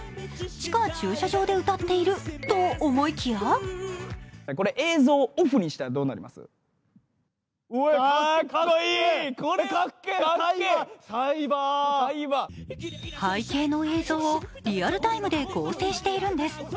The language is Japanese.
地下駐車場で歌っていると思いきや背景の映像をリアルタイムで合成しているんです。